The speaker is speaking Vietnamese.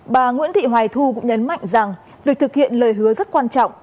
bà nguyễn thị hoài thu cũng nhấn mạnh rằng việc thực hiện lời hứa rất quan trọng